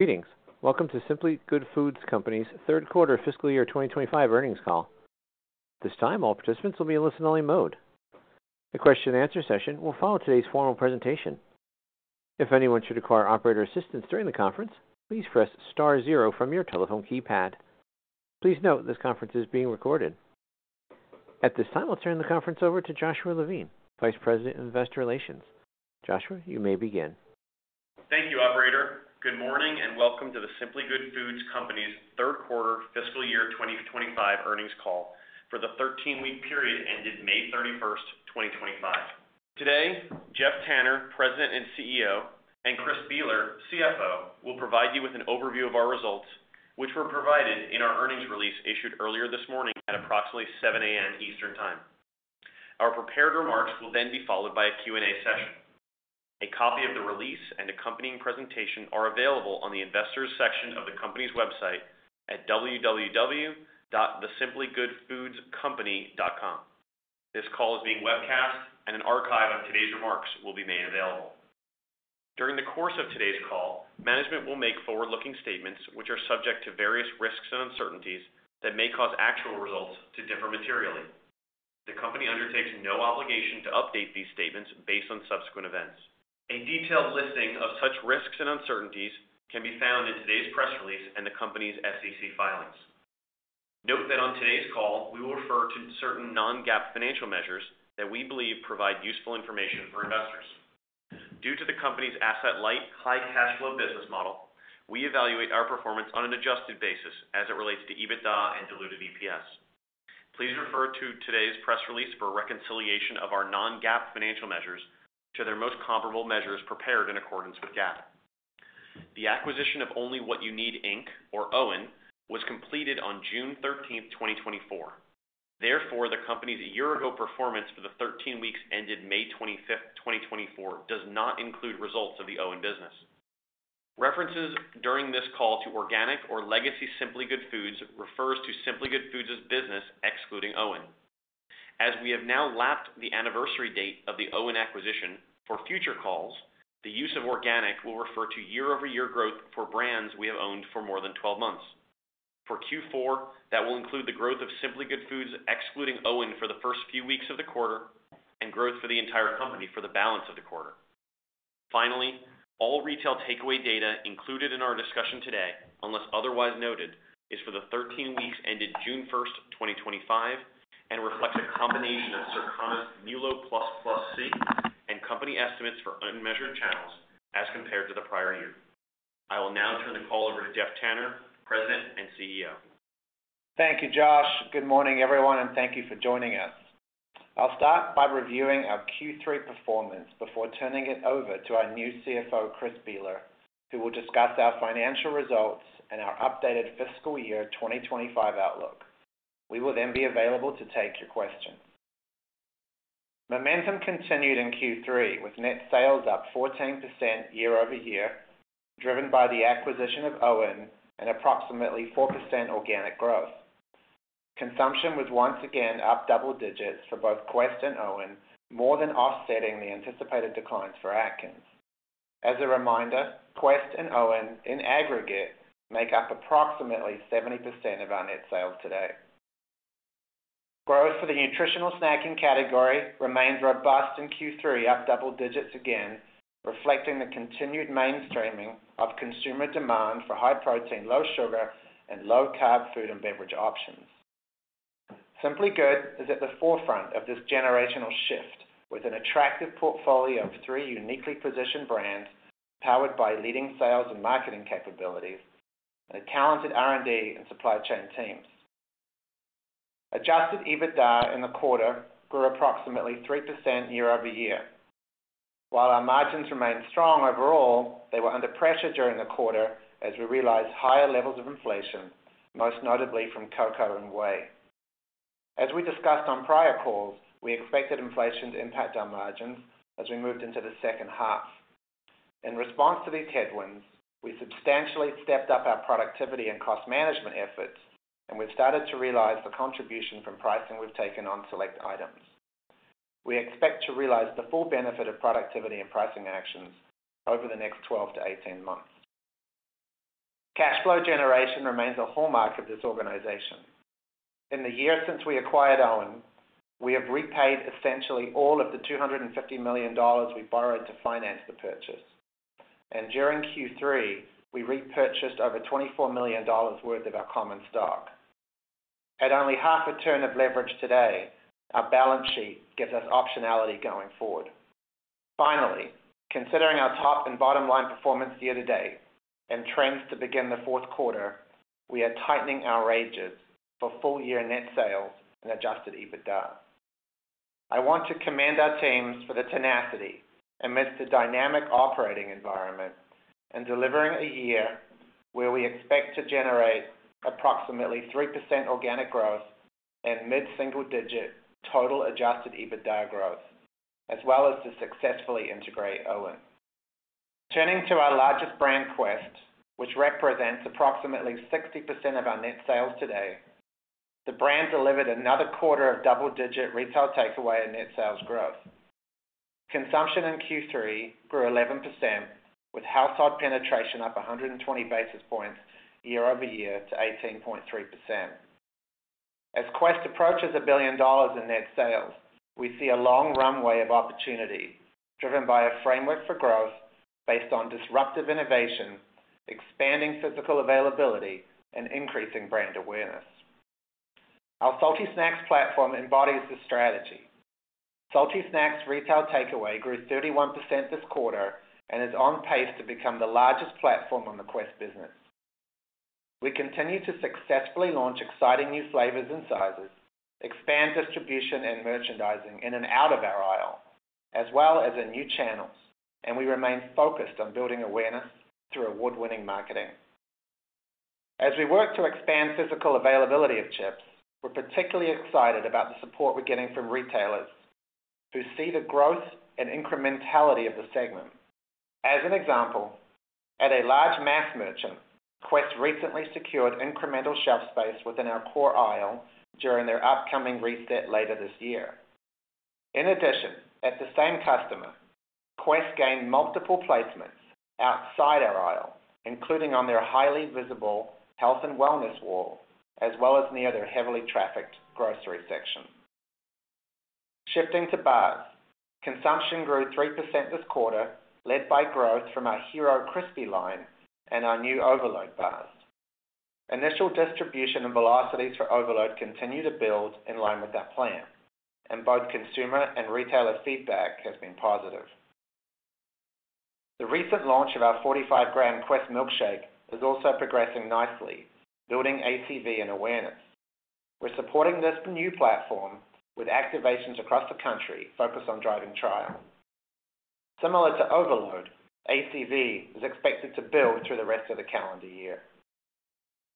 Greetings. Welcome to Simply Good Foods Company's Third Quarter Fiscal Year twenty twenty five Earnings Call. At this time, all participants will be in a listen only mode. A question and answer session will follow today's formal presentation. Please note this conference is being recorded. At this time, I'll turn the conference over to Joshua Levine, Vice President of Investor Relations. Joshua, you may begin. Thank you, operator. Good morning, and welcome to the Simply Good Foods Company's Third Quarter Fiscal Year twenty twenty five Earnings Call for the thirteen week period ended 05/31/2025. Today, Jeff Tanner, President and CEO and Chris Beeler, CFO will provide you with an overview of our results, which were provided in our earnings release issued earlier this morning at approximately 7AM Eastern Time. Our prepared remarks will then be followed by a Q and A session. A copy of the release and accompanying presentation are available on the Investors section of the company's website at www.thesimplygoodfoodscompany.com. This call is being webcast and an archive of today's remarks will be made available. During the course of today's call, management will make forward looking statements, which are subject to various risks and uncertainties that may cause actual results to differ materially. The company undertakes no obligation to update these statements based on subsequent events. A detailed listing of such risks and uncertainties can be found in today's press release and the company's SEC filings. Note that on today's call, we will refer to certain non GAAP financial measures that we believe provide useful information for investors. Due to the company's asset light, high cash flow business model, we evaluate our performance on an adjusted basis as it relates to EBITDA and diluted EPS. Please refer to today's press release for a reconciliation of our non GAAP financial measures to their most comparable measures prepared in accordance with GAAP. The acquisition of Only What You Need Inc. Or Owen was completed on 06/13/2024. Therefore, the company's year ago performance for the thirteen weeks ended 05/25/2024 does not include results of the Owen business. References during this call to organic or legacy Simply Good Foods refers to Simply Good Foods' business excluding Owen. As we have now lapped the anniversary date of the Owen acquisition for future calls, the use of organic will refer to year over year growth for brands we have owned for more than twelve months. For Q4, that will include the growth of Simply Good Foods excluding Owen for the first few weeks of the quarter and growth for the entire company for the balance of the quarter. Finally, all retail takeaway data included in our discussion today, unless otherwise noted, is for the thirteen weeks ended 06/01/2025 and reflects a combination of Sercona's MuLo plus plus C and company estimates for unmeasured channels as compared to the prior year. I will now turn the call over to Jeff Tanner, President and CEO. Thank you, Josh. Good morning, everyone, and thank you for joining us. I'll start by reviewing our Q3 performance before turning it over to our new CFO, Chris Bealer, who will discuss our financial results and our updated fiscal year twenty twenty five outlook. We will then be available to take your questions. Momentum continued in Q3 with net sales up 14% year over year, driven by the acquisition of Owen and approximately 4% organic growth. Consumption was once again up double digits for both Quest and Owen, more than offsetting the anticipated declines for Atkins. As a reminder, Quest and Owen, in aggregate, make up approximately 70% of our net sales today. Growth for the nutritional snacking category remained robust in Q3, up double digits again, reflecting the continued mainstreaming of consumer demand for high protein, low sugar and low carb food and beverage options. Simply Good is at the forefront of this generational shift with an attractive portfolio of three uniquely positioned brands powered by leading sales and marketing capabilities and a talented R and D and supply chain teams. Adjusted EBITDA in the quarter grew approximately 3% year over year. While our margins remained strong overall, they were under pressure during the quarter as we realized higher levels of inflation, most notably from cocoa and whey. As we discussed on prior calls, we expected inflation to impact our margins as we moved into the second half. In response to these headwinds, we substantially stepped up our productivity and cost management efforts, and we've started to realize the contribution from pricing we've taken on select items. We expect to realize the full benefit of productivity and pricing actions over the next twelve to eighteen months. Cash flow generation remains a hallmark of this organization. In the year since we acquired Owen, we have repaid essentially all of the $250,000,000 we borrowed to finance the purchase. And during Q3, we repurchased over $24,000,000 worth of our common stock. At only half a turn of leverage today, our balance sheet gives us optionality going forward. Finally, considering our top and bottom line performance year to date and trends to begin the fourth quarter, we are tightening our ranges for full year net sales and adjusted EBITDA. I want to commend our teams for the tenacity amidst a dynamic operating environment and delivering a year where we expect to generate approximately 3% organic growth and mid single digit total adjusted EBITDA growth, as well as to successfully integrate Owen. Turning to our largest brand, Quest, which represents approximately 60% of our net sales today, the brand delivered another quarter of double digit retail takeaway and net sales growth. Consumption in Q3 grew 11%, with household penetration up 120 basis points year over year to 18.3%. As Quest approaches $1,000,000,000 in net sales, we see a long runway of opportunity driven by a framework for growth based on disruptive innovation, expanding physical availability and increasing brand awareness. Our Salty Snacks platform embodies this strategy. Salty Snacks retail takeaway grew 31% this quarter and is on pace to become the largest platform on the Quest business. We continue to successfully launch exciting new flavors and sizes, expand distribution and merchandising in and out of our aisle, as well as in new channels, and we remain focused on building awareness through award winning marketing. As we work to expand physical availability of chips, we're particularly excited about the support we're getting from retailers who see the growth and incrementality of the segment. As an example, at a large mass merchant, Quest recently secured incremental shelf space within our core aisle during their upcoming reset later this year. In addition, at the same customer, Quest gained multiple placements outside our aisle, including on their highly visible health and wellness wall, as well as near their heavily trafficked grocery section. Shifting to bars, consumption grew 3% this quarter, led by growth from our Hero Crispy line and our new Overload bars. Initial distribution and velocities for Overload continue to build in line with our plan, and both consumer and retailer feedback has been positive. The recent launch of our 45 gram Quest Milkshake is also progressing nicely, building ACV and awareness. We're supporting this new platform with activations across the country focused on driving trial. Similar to Overload, ACV is expected to build through the rest of the calendar year.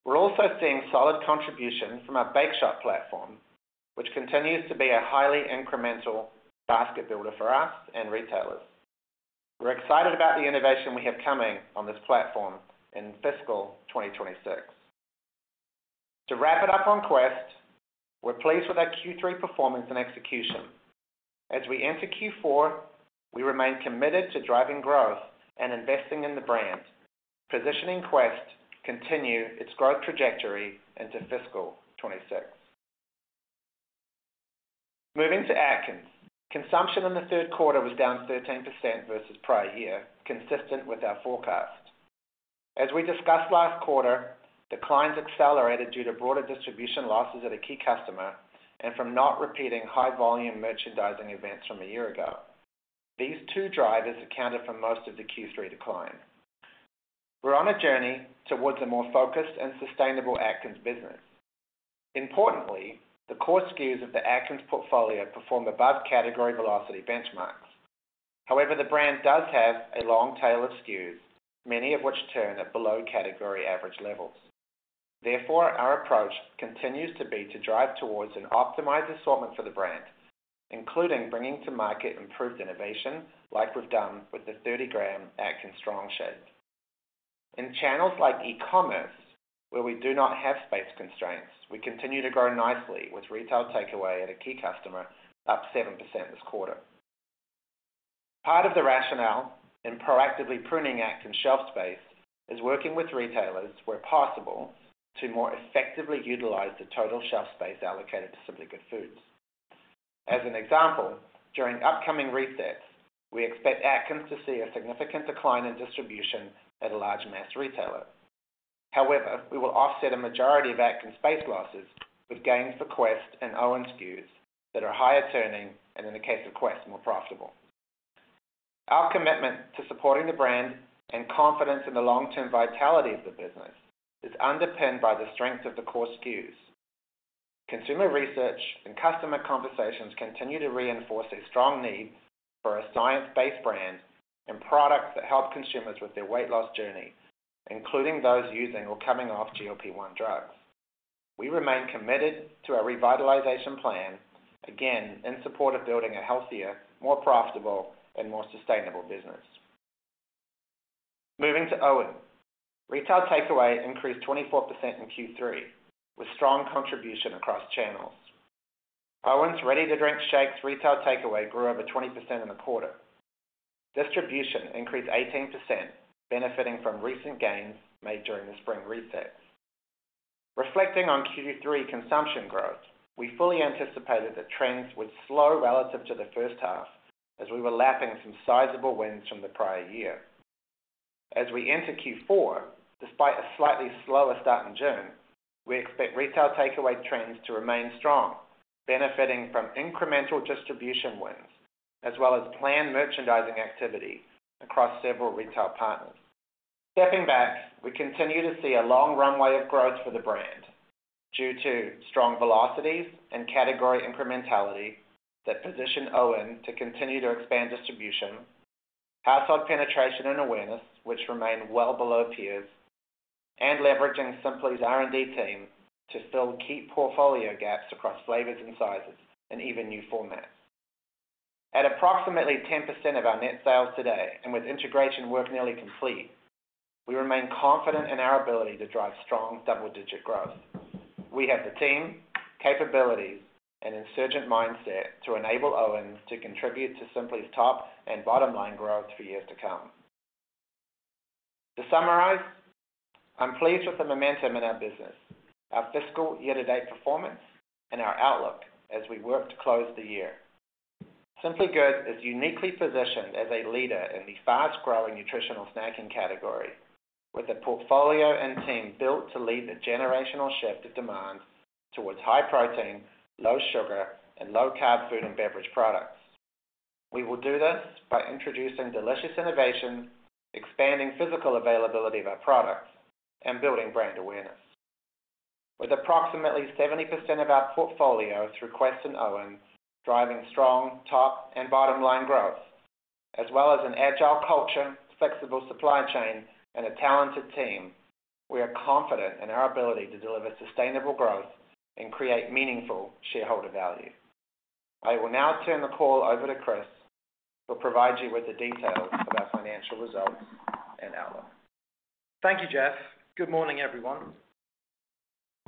We're also seeing solid contribution from our Bakeshop platform, which continues to be a highly incremental basket builder for us and retailers. We're excited about the innovation we have coming on this platform in fiscal twenty twenty six. To wrap it up on Quest, we're pleased with our Q3 performance and execution. As we enter Q4, we remain committed to driving growth and investing in the brand, positioning Quest to continue its growth trajectory into fiscal 'twenty six. Moving to Atkins. Consumption in the third quarter was down 13% versus prior year, consistent with our forecast. As we discussed last quarter, declines accelerated due to broader distribution losses at a key customer and from not repeating high volume merchandising events from a year ago. These two drivers accounted for most of the Q3 decline. We're on a journey towards a more focused and sustainable Atkins business. Importantly, the core SKUs of the Atkins portfolio perform above category velocity benchmarks. However, the brand does have a long tail of SKUs, many of which turn at below category average levels. Therefore, our approach continues to be to drive towards an optimized assortment for the brand, including bringing to market improved innovation like we've done with the 30 gram Act in Strong Shed. In channels like e commerce, where we do not have space constraints, we continue to grow nicely with retail takeaway at a key customer up 7% this quarter. Part of the rationale in proactively pruning Atkins shelf space is working with retailers, where possible, to more effectively utilise the total shelf space allocated to Simply Good Foods. As an example, during upcoming resets, we expect Atkins to see a significant decline in distribution at a large mass retailer. However, we will offset a majority of Atkins space losses with gains for Quest and Owen SKUs that are higher turning and, in the case of Quest, more profitable. Our commitment to supporting the brand and confidence in the long term vitality of the business is underpinned by the strength of the core SKUs. Consumer research and customer conversations continue to reinforce a strong need for a science based brand and products that help consumers with their weight loss journey, including those using or coming off GLP-one drugs. We remain committed to our revitalization plan, again, in support of building a healthier, more profitable and more sustainable business. Moving to Owen. Retail takeaway increased 24% in Q3, with strong contribution across channels. Owen's ready to drink shakes retail takeaway grew over 20% in the quarter. Distribution increased 18%, benefiting from recent gains made during the spring resets. Reflecting on Q3 consumption growth, we fully anticipated that trends would slow relative to the first half as we were lapping some sizable wins from the prior year. As we enter Q4, despite a slightly slower start in June, we expect retail takeaway trends to remain strong, benefiting from incremental distribution wins as well as planned merchandising activity across several retail partners. Stepping back, we continue to see a long runway of growth for the brand due to strong velocities and category incrementality that position Owen to continue to expand distribution, household penetration and awareness, which remain well below peers, and leveraging Simply's R and D team to fill key portfolio gaps across flavours and sizes and even new formats. At approximately 10% of our net sales today and with integration work nearly complete, we remain confident in our ability to drive strong double digit growth. We have the team, capabilities and insurgent mindset to enable Owens to contribute to Simply's top and bottom line growth for years to come. To summarize, I'm pleased with the momentum in our business, our fiscal year to date performance and our outlook as we work to close the year. Simply Good is uniquely positioned as a leader in fast growing nutritional snacking category, with a portfolio and team built to lead the generational shift of demand towards high protein, low sugar and low carb food and beverage products. We will do this by introducing delicious innovation, expanding physical availability of our products and building brand awareness. With approximately 70% of our portfolio through Quest and Owens driving strong top and bottom line growth, as well as an agile culture, flexible supply chain and a talented team, we are confident in our ability to deliver sustainable growth and create meaningful shareholder value. I will now turn the call over to Chris, who will provide you with the details of our financial results and outlook. Thank you, Jeff. Good morning, everyone.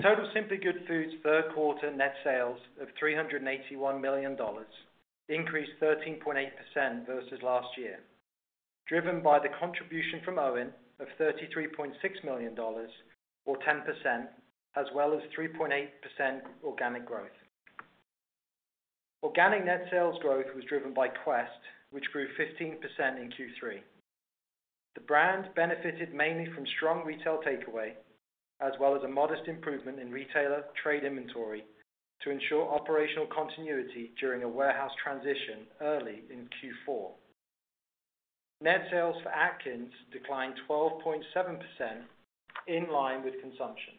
Total Simply Good Foods third quarter net sales of $381,000,000 increased 13.8% versus last year, driven by the contribution from Owen of $33,600,000 or 10%, as well as 3.8% organic growth. Organic net sales growth was driven by Quest, which grew 15 in Q3. The brand benefited mainly from strong retail takeaway, as well as a modest improvement in retailer trade inventory to ensure operational continuity during a warehouse transition early in Q4. Net sales for Atkins declined 12.7%, in line with consumption.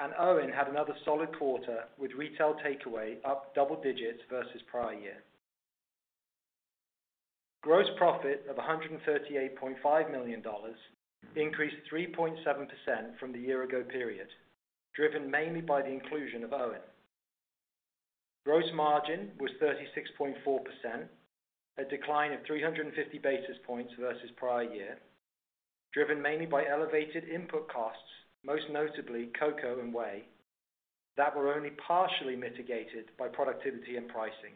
And Owen had another solid quarter with retail takeaway up double digits versus prior year. Gross profit of $138,500,000 increased 3.7% from the year ago period, driven mainly by the inclusion of Owen. Gross margin was 36.4%, a decline of three fifty basis points versus prior year, driven mainly by elevated input costs, most notably cocoa and whey, that were only partially mitigated by productivity and pricing.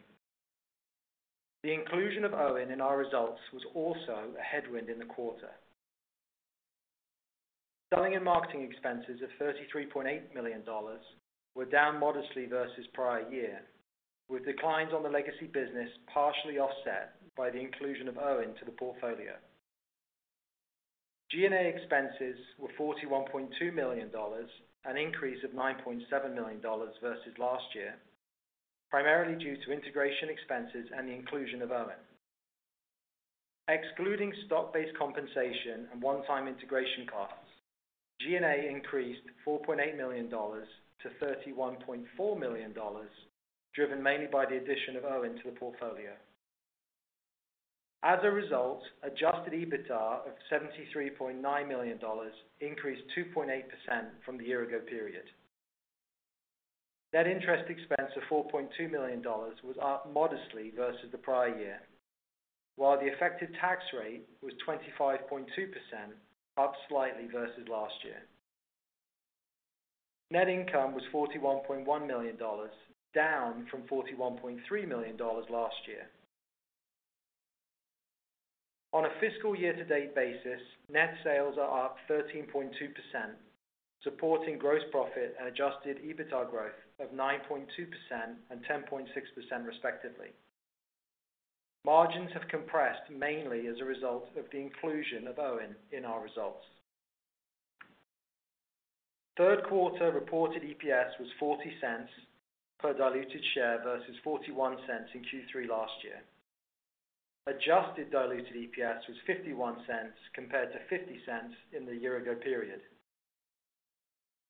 The inclusion of Owen in our results was also a headwind in the quarter. Selling and marketing expenses of $33,800,000 were down modestly versus prior year, with declines on the legacy business partially offset by the inclusion of Owen to the portfolio. G and A expenses were $41,200,000 an increase of $9,700,000 versus last year, primarily due to integration expenses and the inclusion of OWEN. Excluding stock based compensation and one time integration costs, G and A increased $4,800,000 to $31,400,000 driven mainly by the addition of Owen to the portfolio. As a result, adjusted EBITDA of 73,900,000 increased 2.8% from the year ago period. Net interest expense of $4,200,000 was up modestly versus the prior year, while the effective tax rate was 25.2%, up slightly versus last year. Net income was $41,100,000 down from $41,300,000 last year. On a fiscal year to date basis, net sales are up 13.2%, supporting gross profit and adjusted EBITDA growth of 9.210.6% respectively. Margins have compressed mainly as a result of the inclusion of Owen in our results. Third quarter reported EPS was $0.40 per diluted share versus $0.41 in Q3 last year. Adjusted diluted EPS was $0.51 compared to $0.50 in the year ago period.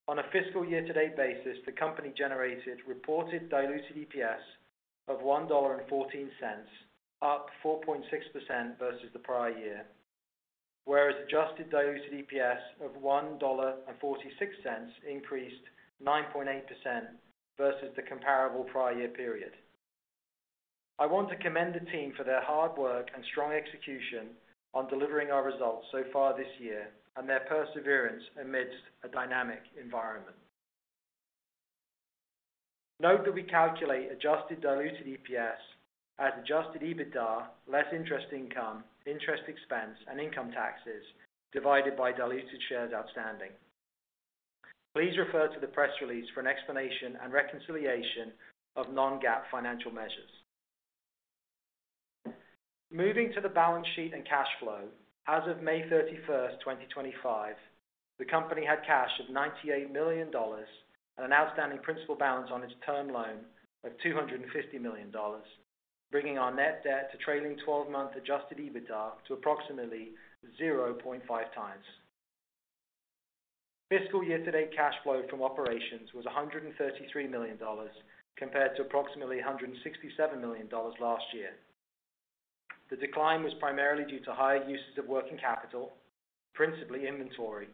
On a fiscal year to date basis, the company generated reported diluted EPS of $1.14 up 4.6% versus the prior year, whereas adjusted diluted EPS of $1.46 increased 9.8% versus the comparable prior year period. I want to commend the team for their hard work and strong execution on delivering our results so far this year and their perseverance amidst a dynamic environment. Note that we calculate adjusted diluted EPS as adjusted EBITDA less interest income, interest expense and income taxes divided by diluted shares outstanding. Please refer to the press release for an explanation and reconciliation of non GAAP financial measures. Moving to the balance sheet and cash flow, as of 05/31/2025, the company had cash of $98,000,000 and an outstanding principal balance on its term loan of $250,000,000 bringing our net debt to trailing twelve month adjusted EBITDA to approximately 0.5 times. Fiscal year to date cash flow from operations was $133,000,000 compared to approximately $167,000,000 last year. The decline was primarily due to higher uses of working capital, principally inventory.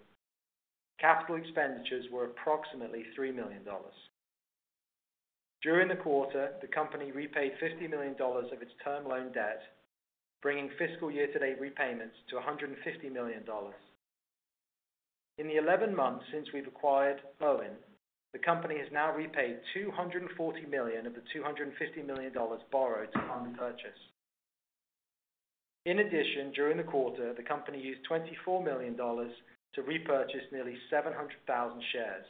Capital expenditures were approximately $3,000,000 During the quarter, the company repaid $50,000,000 of its term loan debt, bringing fiscal year to date repayments to $150,000,000 In the eleven months since we've acquired Boeing, the company has now repaid $240,000,000 of the $250,000,000 borrowed to fund purchase. In addition, during the quarter, the company used $24,000,000 to repurchase nearly 700,000 shares.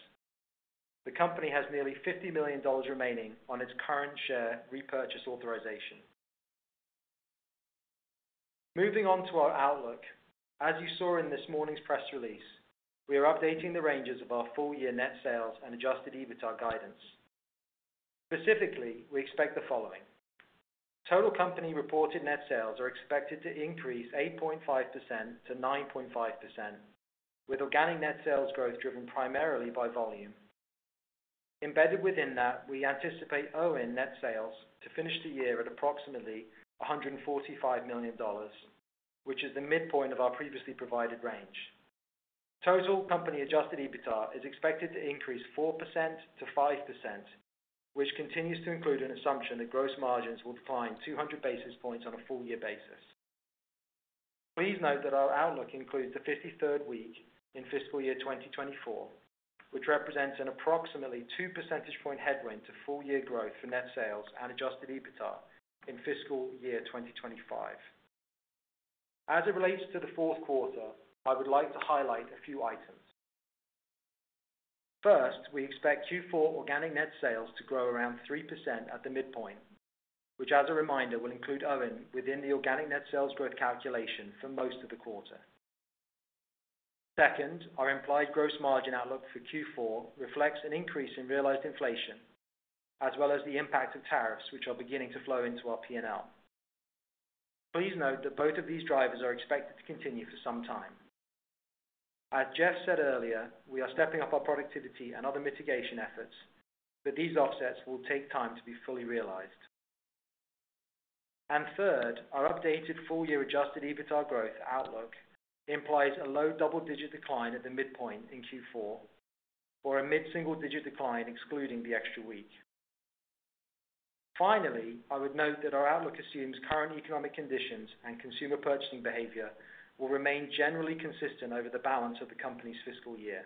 The company has nearly $50,000,000 remaining on its current share repurchase authorization. Moving on to our outlook, as you saw in this morning's press release, we are updating the ranges of our full year net sales and adjusted EBITDA guidance. Specifically, we expect the following. Total company reported net sales are expected to increase 8.5% to 9.5%, with organic net sales growth driven primarily by volume. Embedded within that, we anticipate Owen net sales to finish the year at approximately $145,000,000 which is the midpoint of our previously provided range. Total company adjusted EBITDA is expected to increase 4% to 5%, which continues to include an assumption that gross margins will decline 200 basis points on a full year basis. Please note that our outlook includes the fifty third week in fiscal year twenty twenty four, which represents an approximately two percentage point headwind to full year growth for net sales and adjusted EBITDA in fiscal year twenty twenty five. As it relates to the fourth quarter, I would like to highlight a few items. First, we expect Q4 organic net sales to grow around 3% at the midpoint, which as a reminder will include Oven within the organic net sales growth calculation for most of the quarter. Second, our implied gross margin outlook for Q4 reflects an increase in realized inflation, as well as the impact of tariffs, which are beginning to flow into our P and L. Please note that both of these drivers are expected to continue for some time. As Jeff said earlier, we are stepping up our productivity and other mitigation efforts, but these offsets will take time to be fully realized. And third, our updated full year adjusted EBITDA growth outlook implies a low double digit decline at the midpoint in Q4, or a mid single digit decline excluding the extra week. Finally, I would note that our outlook assumes current economic conditions and consumer purchasing behavior will remain generally consistent over the balance of the company's fiscal year.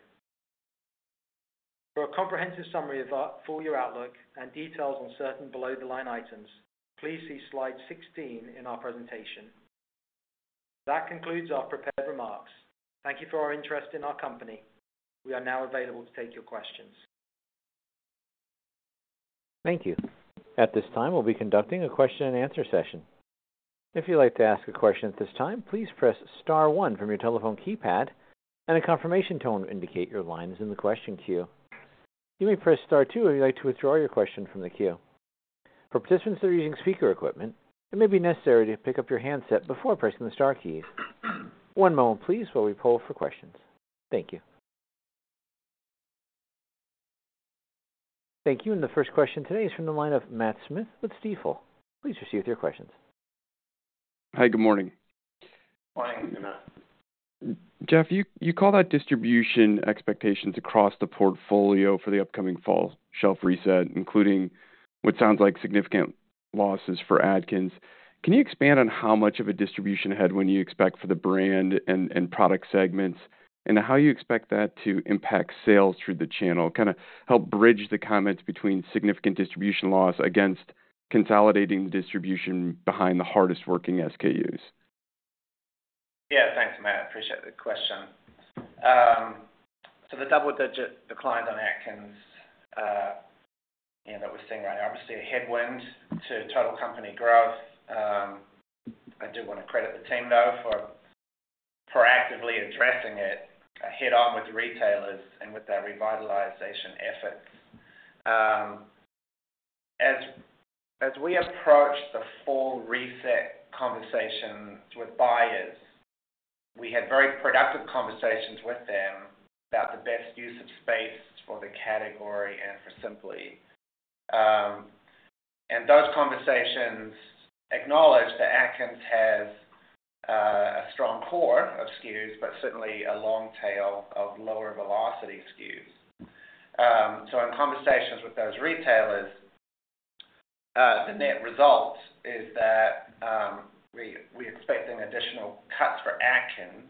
For a comprehensive summary of our full year outlook and details on certain below the line items, please see slide 16 in our presentation. That concludes our prepared remarks. Thank you for your interest in our company. We are now available to take your questions. Thank you. At this time, we'll be conducting a question and answer session. If you would like to ask a question at this time, please press star one from your telephone keypad and a confirmation tone will indicate your line is in the question queue. You may press star two if you would like to withdraw your question from the queue. Thank Thank you. You. And the first question today is from the line of Matt Smith with Stifel. Please proceed with your questions. Hi, good morning. Good morning. Jeff, you call that distribution expectations across the portfolio for the upcoming fall shelf reset, including what sounds like significant losses for Atkins. Can you expand on how much of a distribution headwind you expect for the brand and product segments? And how you expect that to impact sales through the channel? Kind of help bridge the comments between significant distribution loss against consolidating distribution behind the hardest working SKUs. Yes. Thanks, Matt. I appreciate the question. So the double digit decline on Atkins that we're seeing right now, obviously a headwind to total company growth. I do want to credit the team, though, for proactively addressing it head on with retailers and with their revitalization efforts. As we approached the full reset conversations with buyers, We had very productive conversations with them about the best use of space for the category and for Simply. And those conversations acknowledged that Atkins has a strong core of SKUs, but certainly a long tail of lower velocity SKUs. So in conversations with those retailers, the net result is that we're expecting additional cuts for Atkins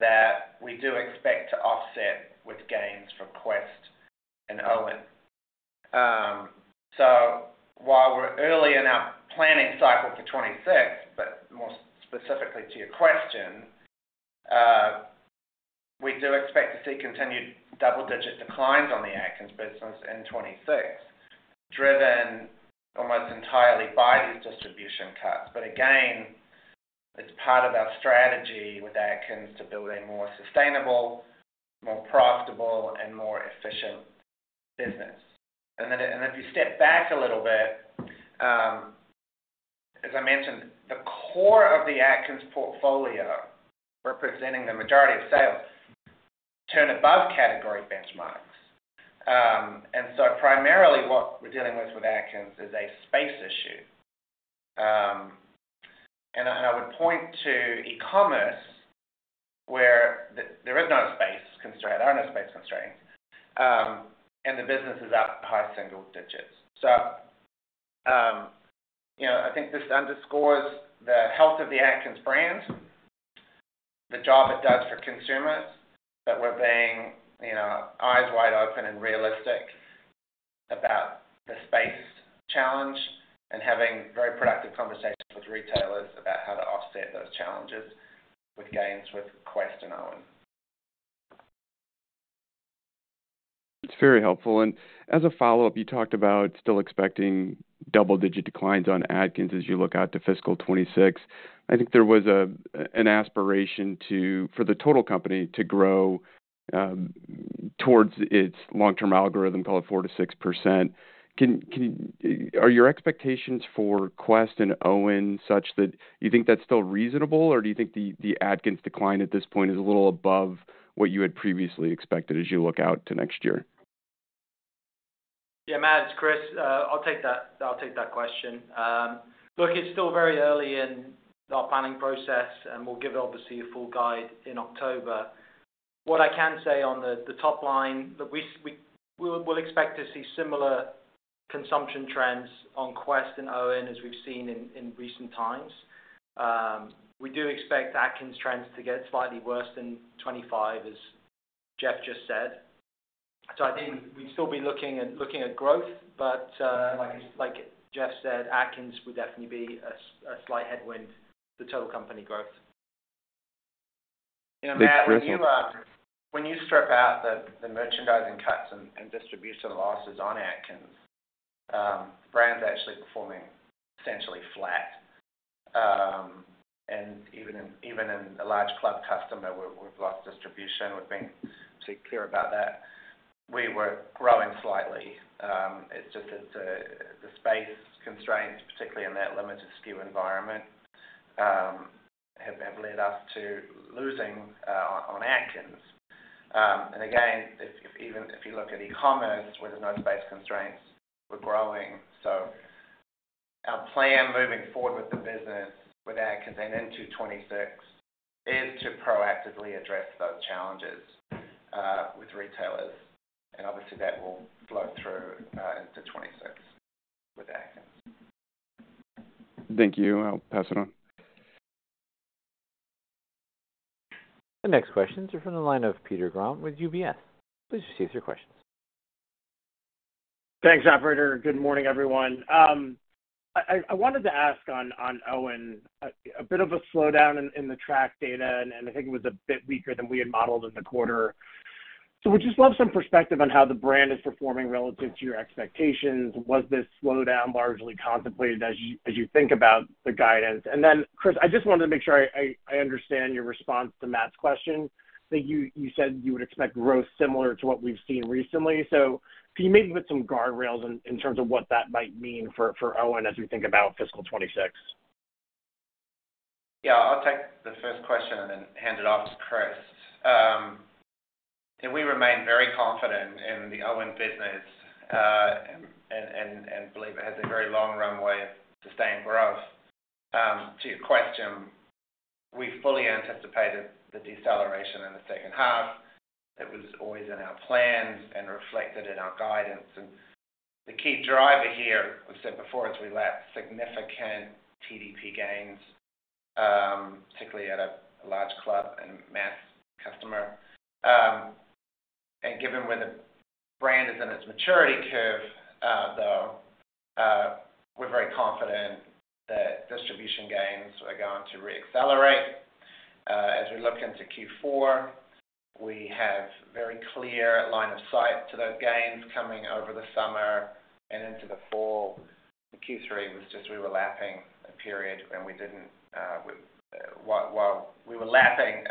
that we do expect to offset with gains from Quest and Owen. So while we're early in our planning cycle for 'twenty six, but more specifically to your question, we do expect to see continued double digit declines on the Atkins business in 2026, driven almost entirely by these distribution cuts. But again, it's part of our strategy with Atkins to build a more sustainable, more profitable and more efficient business. And if you step back a little bit, as I mentioned, the core of the Atkins portfolio representing the majority of sales turn above category benchmarks. And so primarily what we're dealing with with Atkins is a space issue. And I would point to e commerce where there is no space constraint, are no space constraints, and the business is up high single digits. I think this underscores the health of the Atkins brand, the job it does for consumers, that we're being eyes wide open and realistic about the space challenge and having very productive conversations with retailers about how to offset those challenges with Gaines with Quest and Owen. That's very helpful. And as a follow-up, you talked about still expecting double digit declines on Atkins as you look out to fiscal 'twenty six. I think there was an aspiration for the total company to grow towards its long term algorithm, call it four to 6%. Are your expectations for Quest and Owen such that you think that's still reasonable or do you think the Atkins decline at this point is a little above what you had previously expected as you look out to next year? Yes, Matt, it's Chris. I'll take that question. Look, it's still very early in our planning process and we'll give obviously a full guide in October. What I can say on the top line, we'll expect to see similar consumption trends on Quest and Owen as we've seen in recent times. We do expect Atkins trends to get slightly worse than '25 as Jeff just said. So I think we'd still be looking at growth, but like Jeff said, Atkins would definitely be a slight headwind to total company growth. Matt, when you strip out the merchandising cuts and distribution losses on Atkins, the brand's actually performing essentially flat, And even in a large club customer, we've lost distribution, we've been particularly clear about that, we were growing slightly. It's just that the space constraints, particularly in that limited SKU environment, have led us to losing on Atkins. And again, even if you look at e commerce, where there's no space constraints, we're growing. So our plan moving forward with the business with Atkins and into 'twenty six is to proactively address those challenges with retailers. And obviously, that will flow through into 'twenty six with Atkins. Thank you. I'll pass it on. The next questions are from the line of Peter Grom with UBS. Please proceed with your questions. Thanks, operator. Good morning, everyone. I wanted to ask on Owen, a bit of a slowdown in the track data and I think it was a bit weaker than we had modeled in the quarter. So we'd just love some perspective on how the brand is performing relative to your expectations. Was this slowdown largely contemplated as you think about the guidance? And then, Chris, I just wanted to make sure I understand your response to Matt's question. I think you said you would expect growth similar to what we've seen recently. So can you maybe put some guardrails in terms of what that might mean for Owen as we think about fiscal twenty twenty six? Yes. I'll take first question and then hand it off to Chris. We remain very confident in the Owen business and believe it has a very long runway of sustained growth. To your question, we fully anticipated the deceleration in the second half. It was always in our plans and reflected in our guidance. And the key driver here, as I've said before, is we lap significant TDP gains, particularly at a large club and mass customer. And given where the brand is in its maturity curve, though, we're very confident that distribution gains are going to reaccelerate. As we look into Q4, we have very clear line of sight to those gains coming over the summer and into the fall. Q3 was just we were lapping a period and we didn't while we were lapping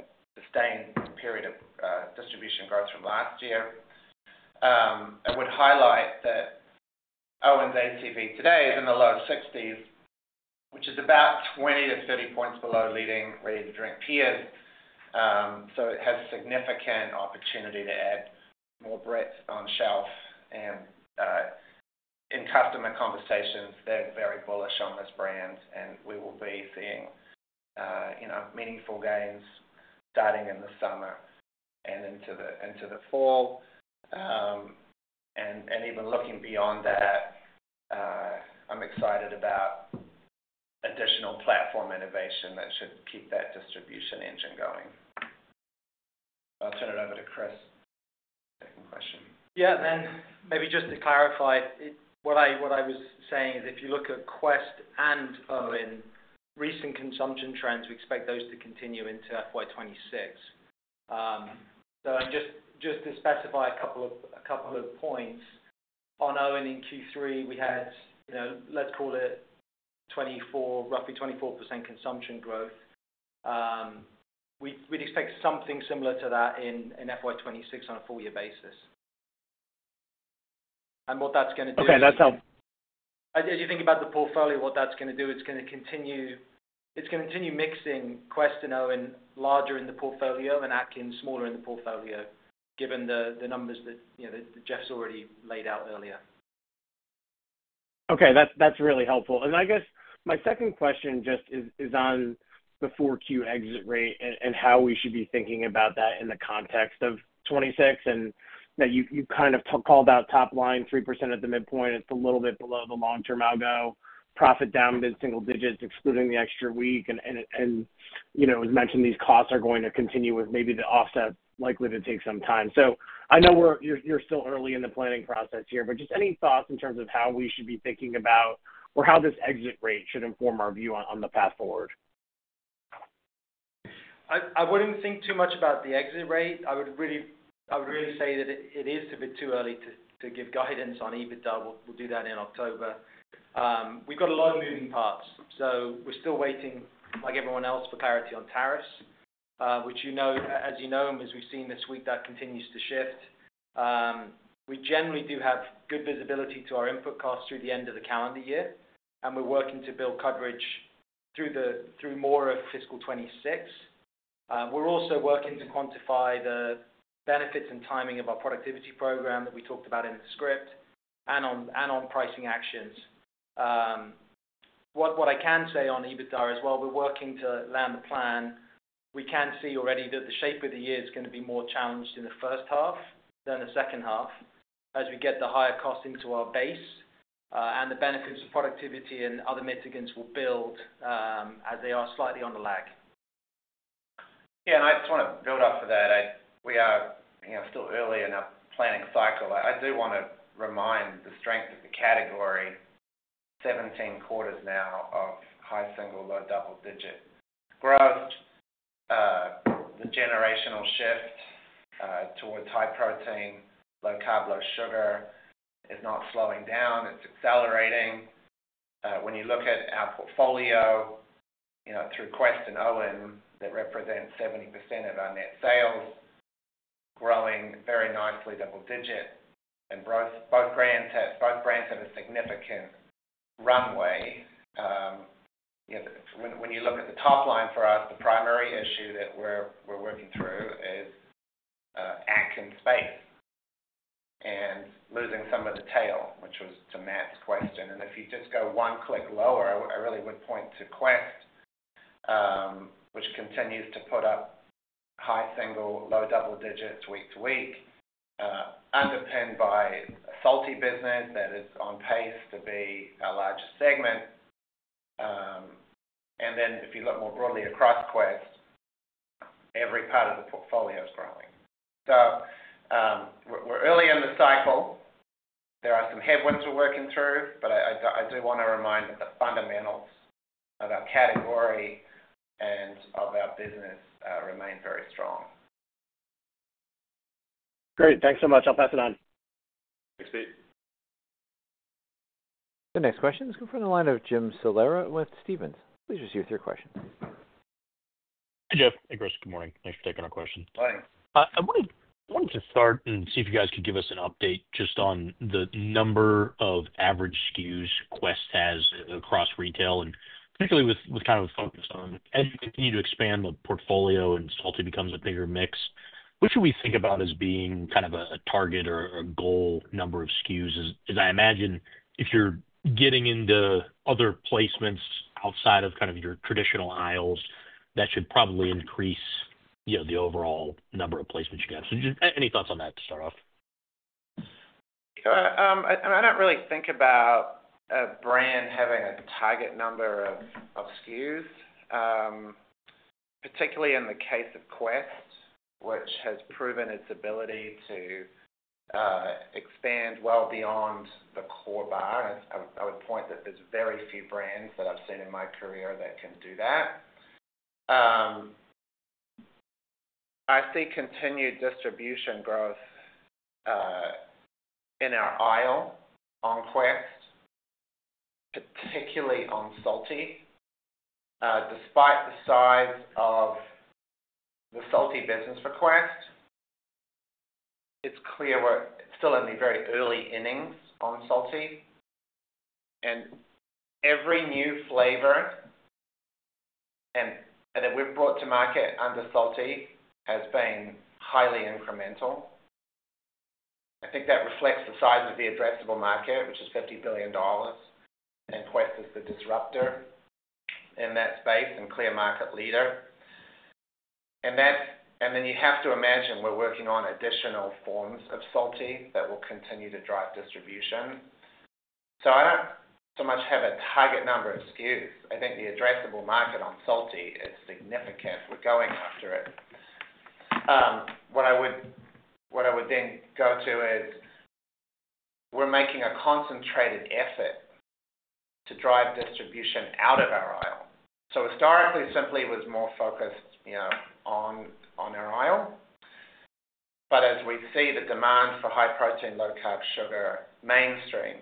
a sustained period of distribution growth from last year, I would highlight that Owen's ACV today is in the low 60s, which is about 20 to 30 points below leading ready to drink peers, so it has a significant opportunity to add more breadth on shelf. And in customer conversations, they're very bullish on this brand, and we will be seeing meaningful gains starting in the summer and into the fall. And even looking beyond that, I'm excited about additional platform innovation that should keep that distribution engine going. I'll turn it over to Chris. Second question. Yeah, and maybe just to clarify, what I was saying is if you look at Quest and Owen, recent consumption trends, we expect those to continue into FY 'twenty six. So just to specify a couple of points, on Owen in Q3 we had, let's call it, roughly 24% consumption growth. We'd expect something similar to that in FY 2026 on a full year basis. What that's going to do is as you think about the portfolio, what that's going to do, it's going to continue mixing Quest and Owen larger in the portfolio and Atkins smaller in the portfolio, given the numbers that Jeff's already laid out earlier. Okay. That's really helpful. And I guess my second question just is on the 4Q exit rate and how we should be thinking about that in the context of twenty six percent. And that you kind of called out top line 3% at the midpoint. It's a little bit below the long term algo, profit down mid single digits, excluding the extra week. And as mentioned, these costs are going to continue with maybe the offset likely to take some time. So I know we're you're still early in the planning process here, but just any thoughts in terms of how we should be thinking about or how this exit rate should inform our view on the path forward? I wouldn't think too much about the exit rate. I would really say that it is a bit too early to give guidance on EBITDA. We'll do that in October. We've got a lot of moving parts. So we're still waiting, like everyone else, for clarity on tariffs, which as you know and as we've seen this week, that continues to shift. We generally do have good visibility to our input costs through the end of the calendar year and we're working to build coverage through more of fiscal twenty twenty six. We're also working to quantify the benefits and timing of our productivity program that we talked about in the script and on pricing actions. What I can say on EBITDA is while we're working to land the plan, we can see already that the shape of the year is going to be more challenged in the first half than the second half as we get the higher cost into our base and the benefits of productivity and other mitigants will build as they are slightly under lag. Yes. And I just want to build up to that. We are still early in our planning cycle. I do want to remind the strength of the category, seventeen quarters now of high single, low double digit growth, the generational shift towards high protein, low carb, low sugar is not slowing down, it's accelerating. When you look at our portfolio through Quest and Owen, they represent 70% of our net sales, growing very nicely double digit, and both brands have a significant runway. When you look at the top line for us, the primary issue that we're working through is Atkins space and losing some of the tail, which was to Matt's question. And if you just go one click lower, I really would point to Quest, which continues to put up high single, low double digits week to week, underpinned by a salty business that is on pace to be our largest segment. And then if you look more broadly across Quest, every part of the portfolio is growing. So we're early in the cycle. There are some headwinds we're working through, but I do want to remind that the fundamentals of our category and of our business remain very strong. Great. Thanks so much. I'll pass it on. Thanks, Pete. The next questions come from the line of Jim Salera with Stephens. Please proceed with your question. Jeff. Hi, Chris. Good morning. Thanks for taking our question. Hi. I wanted to start and see if you guys could give us an update just on the number of average SKUs Quest has across retail and particularly with kind of focus on as you continue to expand the portfolio and Salted becomes a bigger mix, what should we think about as being kind of a target or a goal number of SKUs? As I imagine, if you're getting into other placements outside of kind of your traditional aisles, that should probably increase the overall number of placements you have. So just any thoughts on that to start off? I don't really think about a brand having a target number of SKUs, particularly in the case of Quest, which has proven its ability to expand well beyond the core bar. I would point that there's very few brands that I've seen in my career that can do that. I see continued distribution growth in our aisle on Quest, particularly on Salty. Despite the size of the Salty business for Quest, It's clear we're still in the very early innings on Salty. And every new flavor that we've brought to market under Salty has been highly incremental. I think that reflects the size of the addressable market, which is $50,000,000,000 and Quest is the disruptor in that space and clear market leader. And then you have to imagine we're working on additional forms of salty that will continue to drive distribution. So I don't so much have a target number of SKUs. I think the addressable market on salty is significant. We're going after it. What I would then go to is we're making a concentrated effort to drive distribution out of our aisle. So historically, simply it was more focused on our aisle. But as we see the demand for high protein, low carb sugar mainstream,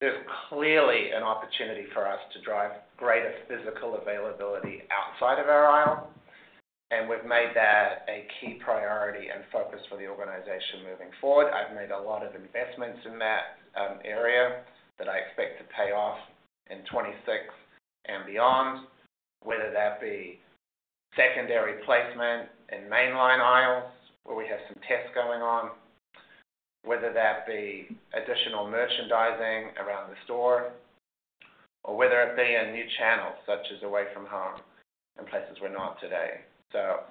there's clearly an opportunity for us to drive greater physical availability outside of our aisle, and we've made that a key priority and focus for the organization moving forward. I've made a lot of investments in that area that I expect to pay off in 'twenty six and beyond, whether that be secondary placement in mainline aisles where we have some tests going on, whether that be additional merchandising around the store, or whether it be in new channels such as away from home in places we're not today. So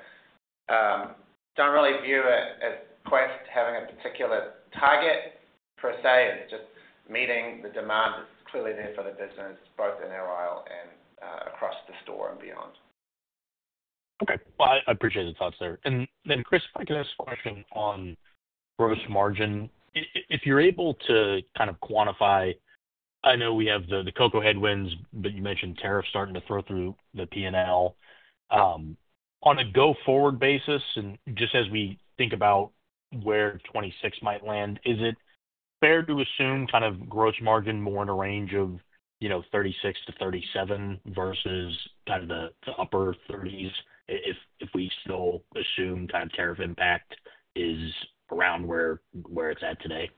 I don't really view it as quite having a particular target per se. It's just meeting the demand that's clearly there for the business, both in Aero Isle and across the store and beyond. Okay. Well, I appreciate the thoughts there. And then, Chris, if I could ask a question on gross margin. If you're able to kind of quantify I know we have the cocoa headwinds, but you mentioned tariffs starting to throw through the P and L. On a go forward basis and just as we think about where 2026 might land, is it fair to assume kind of gross margin more in a range of 36% to 37% versus kind of the upper 30s if we still assume kind of tariff impact is around where it's at today?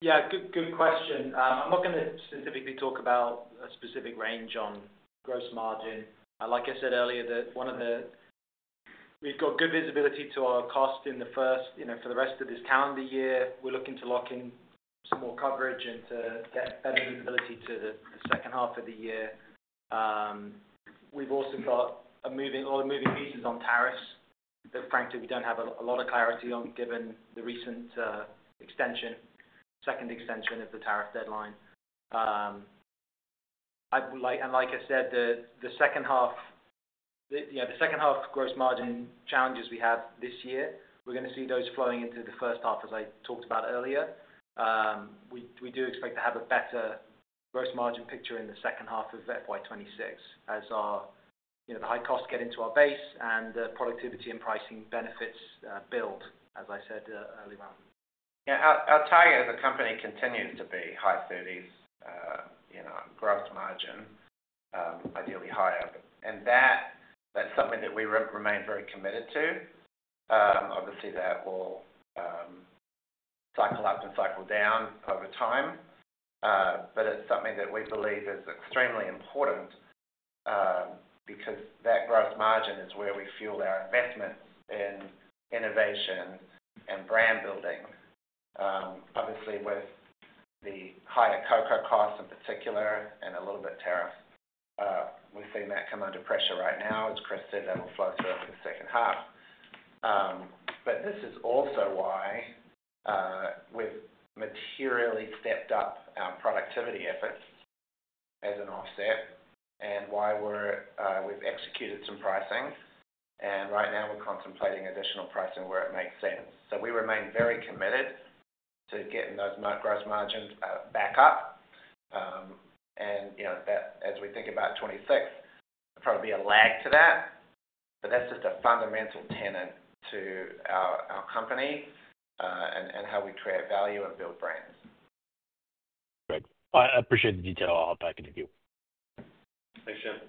Yes, good question. I'm not going to specifically talk about a specific range on gross margin. Like I said earlier, we've got good visibility to our cost in the first for the rest of this calendar year. We're looking to lock in some more coverage and to get better visibility to the second half of the year. We've also got lot of moving pieces on tariffs that frankly we don't have a lot of clarity on given the recent extension, second extension of the tariff deadline. And like I said, the second half gross margin challenges we have this year, we're going to see those flowing into the first half as I talked about earlier. We do expect to have a better gross margin picture in the second half of FY twenty twenty six as the high costs get into our base and productivity and pricing benefits build, as I said earlier on. Our target as a company continues to be high 30s gross margin, ideally higher. And that's something that we remain very committed to. Obviously, that will cycle up and cycle down over time, but it's something that we believe is extremely important because that gross margin is where we fuelled our investments in innovation and brand building. Obviously, with the higher cocoa costs in particular and a little bit of tariffs, We've seen that come under pressure right now. As Chris said, that will flow through in the second half. But this is also why we've materially stepped up our productivity efforts as an offset, and why we've executed some pricing, and right now we're contemplating additional pricing where it makes sense. So we remain very committed to getting those gross margins back up, And as we think about '26, there's probably a lag to that, but that's just a fundamental tenet to our company how we create value and build brands. I appreciate the detail. Hop back in the queue. Thanks, Jim.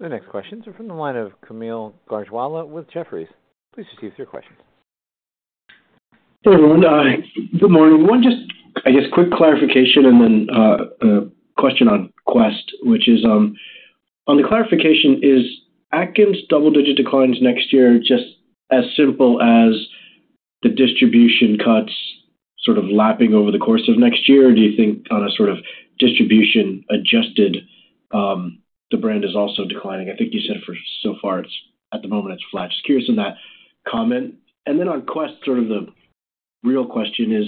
The next questions are from the line of Kamil Gargwala with Jefferies. Please proceed with your question. Good morning. One just, I guess, quick clarification and then a question on Quest, which is on the clarification, is Atkins double digit declines next year just as simple as the distribution cuts sort of lapping over the course of next year? Or do you think on a sort of distribution adjusted, the brand is also declining? I think you said for so far it's at the moment it's flat. Just curious on that comment. And then on Quest, sort of the real question is,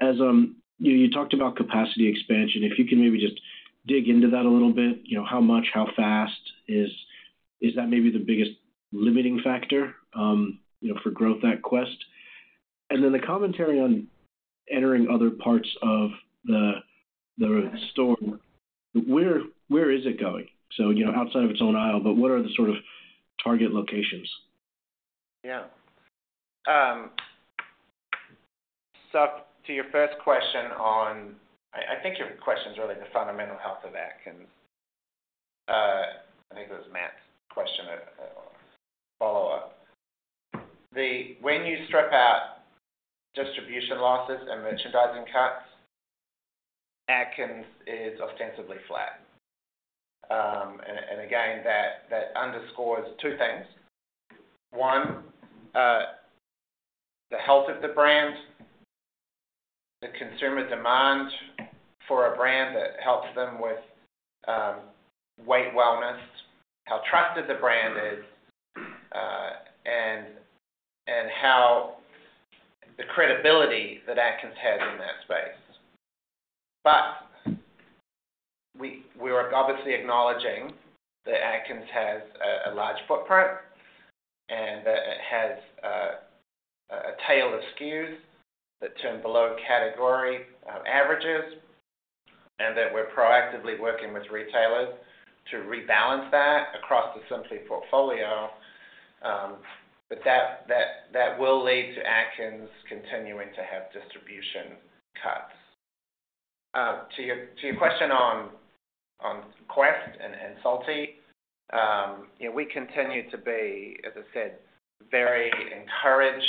as you talked about capacity expansion, if you can maybe just dig into that a little bit, how much, how fast is that maybe the biggest limiting factor for growth at Quest? And then the commentary on entering other parts of the storm, is it going? So outside of its own aisle, but what are the sort of target locations? Yeah. So to your first question on I think your question is really the fundamental health of ACT. And I think it was Matt's question follow-up. When you strip out distribution losses and merchandising cuts, Atkins is ostensibly flat. And again, that underscores two things. One, the health of the brand, the consumer demand for a brand that helps them with weight wellness, how trusted the brand is, how the credibility that Atkins has in that space. But we are obviously acknowledging that Atkins has a large footprint and that it has a tail of SKUs that turn below category averages, and that we're proactively working with retailers to rebalance that across the Simply portfolio. But that will lead to Atkins continuing to have distribution cuts. To your question Quest and Salty, we continue to be, as I said, very encouraged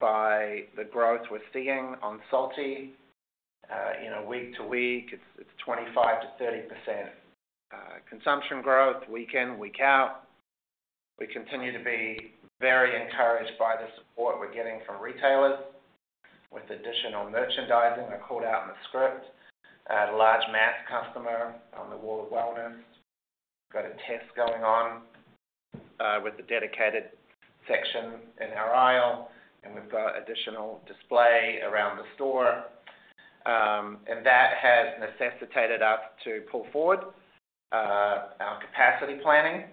by the growth we're seeing on Salty. Week to week, it's 25% to 30% consumption growth week in, week out. We continue to be very encouraged by the support we're getting from retailers with additional merchandising that I called out in the script. A large mass customer on the Wall Of Wellness got a test going on with the dedicated section in our aisle, and we've got additional display around the store. And that has necessitated us to pull forward our capacity planning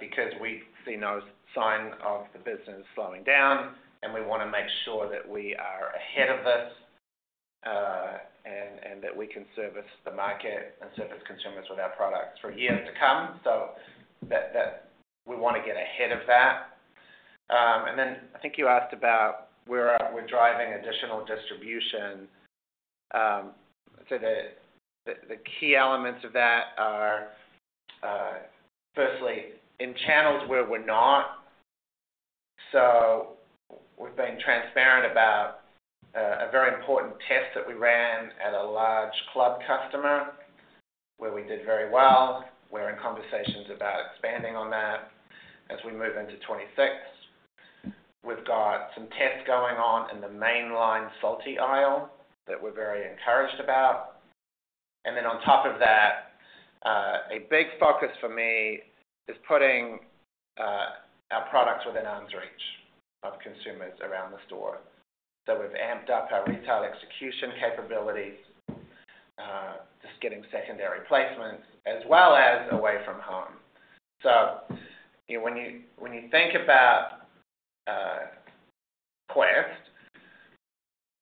because we see no sign of the business slowing down, and we want to make sure that we are ahead of this and that we can service the market and service consumers with our products for years to come. So we want to get ahead of that. And then I think you asked about where we're driving additional distribution. The key elements of that are firstly in channels where we're not. So we've been transparent about a very important test that we ran at a large club customer where we did very well. We're in conversations about expanding on that as we move into twenty sixth. We've got some tests going on in the mainline salty aisle that we're very encouraged about. And then on top of that, a big focus for me is putting our products within arm's reach of consumers around the store. So we've amped up our retail execution capabilities, just getting secondary placements, as well as away from home. So when you think about Quest,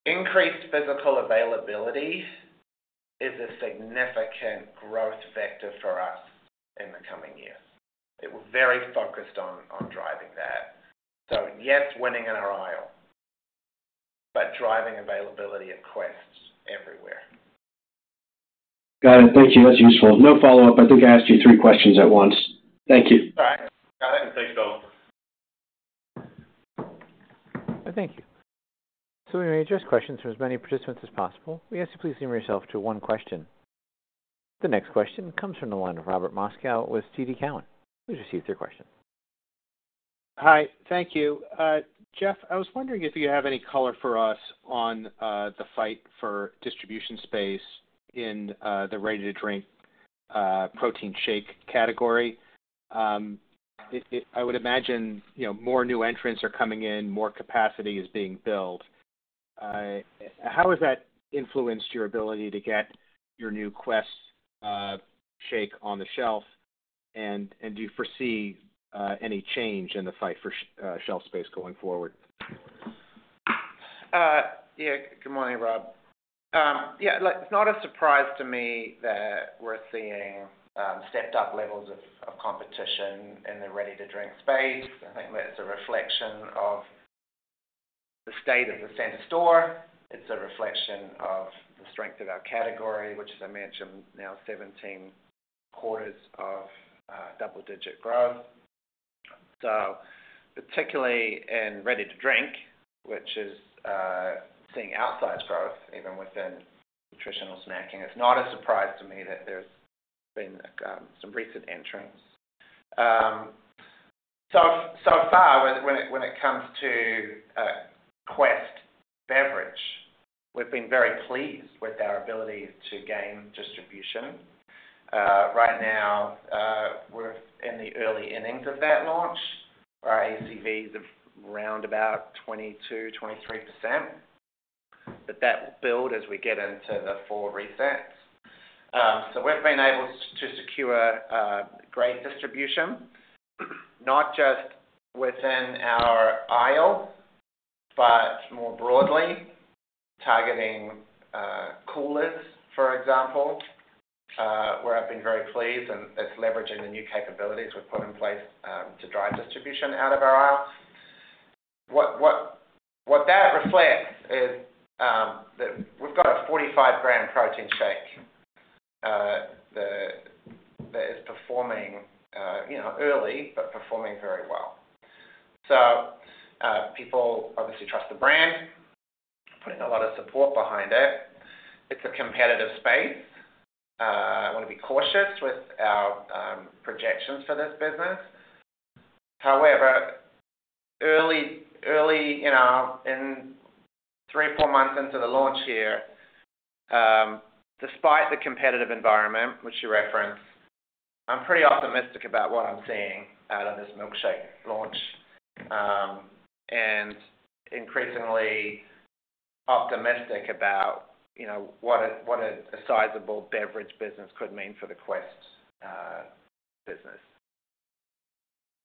increased physical availability is a significant growth vector for us in the coming years. We're very focused on driving that. So yes, winning in our aisle, but driving availability at Quest everywhere. Got it. Thank you. That's useful. No follow-up. I think I asked you three questions at once. Thank you. All right. Thanks, Bill. Thank you. So we may address questions from as many participants as possible. We ask you please limit yourself to one question. The next question comes from the line of Robert Moskow with TD Cowen. Please proceed with your question. Hi, thank you. Jeff, I was wondering if you have any color for us on the fight for distribution space in the ready to drink protein shake category. I would imagine more new entrants are coming in, more capacity is being built. How has that influenced your ability to get your new Quest shake on the shelf? And do you foresee any change in the fight for shelf space going forward? Yeah. Good morning, Rob. Yeah, it's not a surprise to me that we're seeing stepped up levels of competition in the ready to drink space. I think that's a reflection of the state of the same store. It's a reflection of the strength of our category, which, as I mentioned, now 17 quarters of double digit growth. So particularly in ready to drink, which is seeing outsized growth even within nutritional snacking, it's not a surprise to me that there's been some recent entrants. So far, when it comes to Quest beverage, we've been very pleased with our ability to gain distribution. Right now, we're in the early innings of that launch. Our ACV is around about 22%, 23%, but that will build as we get into the four resets. So we've been able to secure grade distribution, just within our aisle, but more broadly, targeting coolers, for example, where I've been very pleased and it's leveraging the new capabilities we've put in place to drive distribution out of our isles. What that reflects is that we've got a 45 gram protein shake that is performing early, but performing very well. So people obviously trust the brand, putting a lot of support behind it. It's a competitive space. I want to be cautious with our projections for this business. However, early in three or four months into the launch here, despite the competitive environment, which you referenced, I'm pretty optimistic about what I'm seeing out of this milkshake launch and increasingly optimistic about what a sizable beverage business could mean for the Quest business.